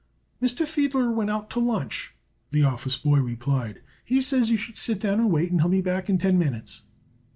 "Mr. Fiedler went out to lunch," the office boy replied. "He says you should sit down and wait, and he'll be back in ten minutes."